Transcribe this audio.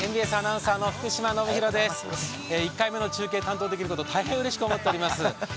１回目の中継、担当できること、大変うれしく思っています。